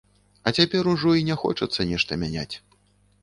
А цяпер ужо і не хочацца нешта мяняць.